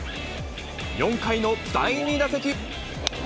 ４回の第２打席。